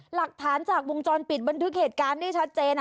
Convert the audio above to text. หลักฐานจากวงจรปิดบันทึกเหตุการณ์ได้ชัดเจน